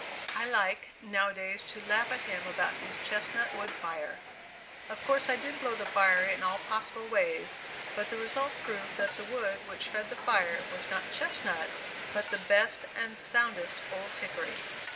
I like, now a days to laugh at him about his "chestnut wood fire." Of course, I did blow the fire in all possible ways, but the result proved that the wood which fed the fire was not chestnut, but the best and soundest old hickory.